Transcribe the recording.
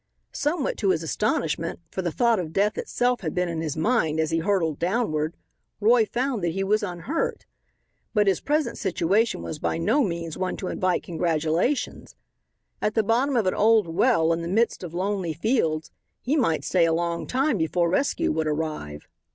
Somewhat to his astonishment, for the thought of death itself had been in his mind as he hurtled downward, Roy found that he was unhurt. But his present position was by no means one to invite congratulations. At the bottom of an old well in the midst of lonely fields he might stay a long time before rescue would arrive.